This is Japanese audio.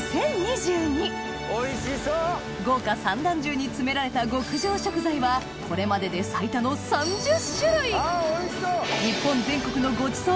豪華三段重に詰められた極上食材はこれまでで最多のわは！